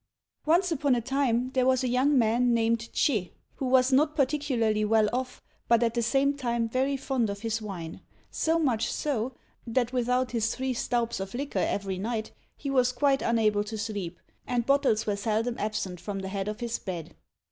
Once upon a time there was a young man named Ch'ê, who was not particularly well off, but at the same time very fond of his wine; so much so, that without his three stoups of liquor every night, he was quite unable to sleep, and bottles were seldom absent from the head of his bed.